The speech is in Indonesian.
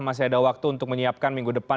masih ada waktu untuk menyiapkan minggu depan